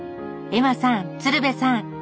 エマさん鶴瓶さん